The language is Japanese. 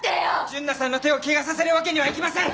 純奈さんの手を汚させるわけにはいきません！